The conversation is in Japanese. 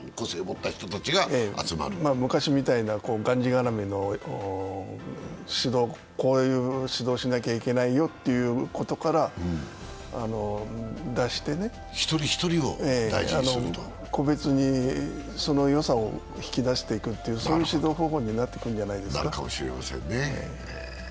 昔みたいながんじがらめのこういう指導しなきゃいけないよということから脱して個別にそのよさを引き出していくという指導方法になっていくんじゃないですか。